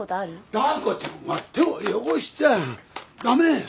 ダー子ちゃんは手を汚しちゃ駄目！